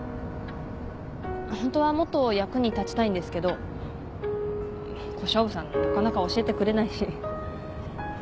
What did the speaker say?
ホントはもっと役に立ちたいんですけど小勝負さんなかなか教えてくれないし。